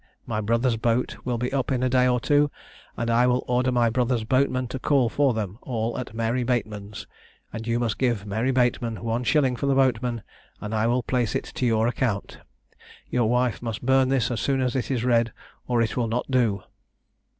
My brother's boat will be up in a day or two, and I will order my brother's boatman to call for them all at Mary Bateman's, and you must give Mary Bateman one shilling for the boatman, and I will place it to your account. Your wife must burn this as soon as it is read or it will not do."